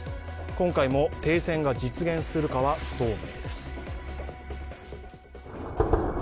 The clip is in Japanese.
今回も停戦が実現するかは不透明です。